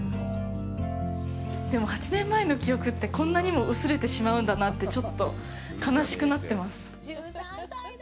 でも、８年前の記憶ってこんなにも薄れてしまうんだなってちょっと悲しくなってます。